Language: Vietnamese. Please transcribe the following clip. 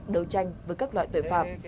đấu tranh với các loại tội phạm